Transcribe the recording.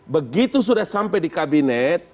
begitu sudah sampai di kabinet